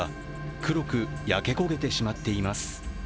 黒く焼け焦げてしまっています。